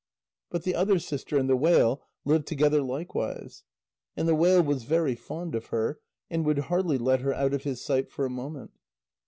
But the other sister and the whale lived together likewise. And the whale was very fond of her, and would hardly let her out of his sight for a moment.